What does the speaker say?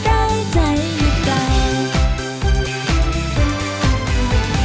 ข้องกับชาวเธอมีเรื่องอะไร